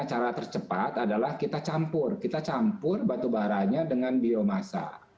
cara tercepat adalah kita campur kita campur batubaranya dengan biomasa